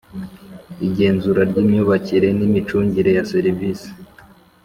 Igenzura ry imyubakire n imicungire ya serivise